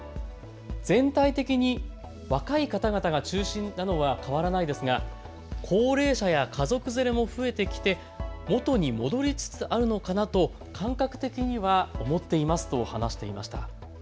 全体的に若い方々が中心なのは変わらないですが高齢者や家族連れも増えてきて元に戻りつつあるのかなと感覚的には思っていますと話していました。